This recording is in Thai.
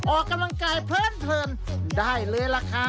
ออกกำลังกายเพิ่มเผินได้เลยละครับ